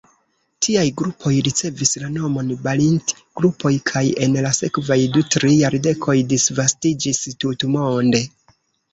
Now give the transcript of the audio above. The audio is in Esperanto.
Tiaj grupoj ricevis la nomon Balint-grupoj kaj en la sekvaj du-tri jardekoj disvastiĝis tutmonde.